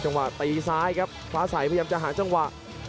ว่าตีซ้ายครับฟ้าใสพยายามจะหาจังหวะ